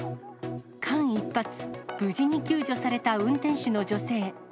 間一髪、無事に救助された運転手の女性。